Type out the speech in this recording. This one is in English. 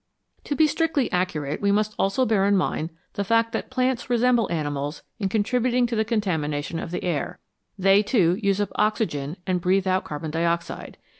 To be strictly accurate, we must also bear in mind the fact that plants resemble animals in contributing to the contamination of the air ; they, too, use up oxygen and breathe out carbon dioxide.